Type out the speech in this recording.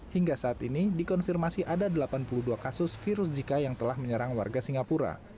hingga saat ini dikonfirmasi ada delapan puluh dua kasus virus zika yang telah menyerang warga singapura